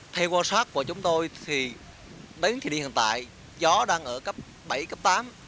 theo quan sát của chúng tôi thì đến thời điểm hiện tại gió đang ở cấp bảy cấp tám